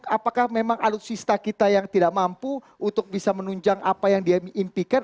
apakah memang alutsista kita yang tidak mampu untuk bisa menunjang apa yang dia impikan